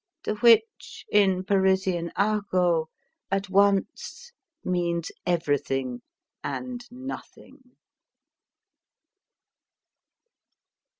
The which, in Parisian argot, at once means everything and nothing.